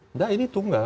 tidak ini tunggal